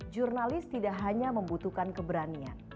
jurnalis tidak hanya membutuhkan keberanian